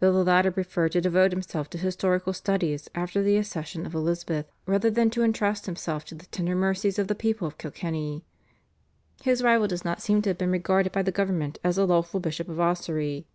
Though the latter preferred to devote himself to historical studies after the accession of Elizabeth rather than to entrust himself to the tender mercies of the people of Kilkenny, his rival does not seem to have been regarded by the government as the lawful Bishop of Ossory.